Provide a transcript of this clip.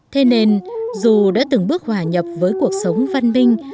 thế nên dù đã từng bước hòa nhập với cuộc sống văn minh